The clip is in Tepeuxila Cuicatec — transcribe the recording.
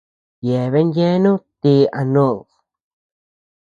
Yeabean yeanu ti a ndod.